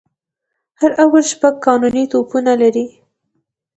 هر آور شپږ قانوني توپونه لري.